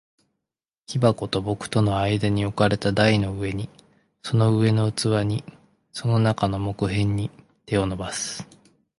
木箱と僕との間に置かれた台の上に、その上の器に、その中の木片に、手を伸ばす。